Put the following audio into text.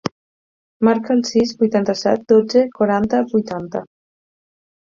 Marca el sis, vuitanta-set, dotze, quaranta, vuitanta.